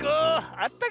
あったけ。